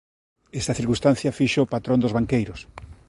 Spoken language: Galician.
Esta circunstancia fíxoo patrón dos banqueiros.